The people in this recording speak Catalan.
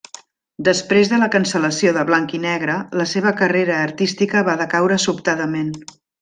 Després de la cancel·lació de Blanc i Negre, la seva carrera artística va decaure sobtadament.